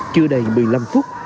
chưa đầy một mươi năm phút